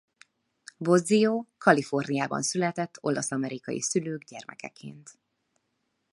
Bozzio Kaliforniában született olasz-amerikai szülők gyermekeként.